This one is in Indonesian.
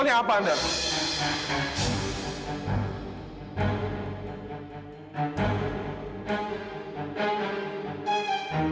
menjelaskan sesuatu pada aku